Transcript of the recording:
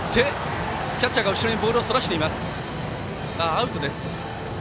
アウトです。